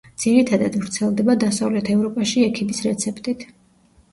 ძირითადად ვრცელდება დასავლეთ ევროპაში ექიმის რეცეპტით.